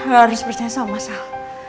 lo harus percaya sama sal